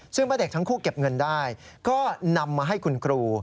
ซึ่งเมื่อเด็กทั้งคู่เก็บเงินได้ก็นำมาให้คุณครู